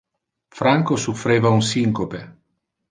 Franco suffreva un syncope.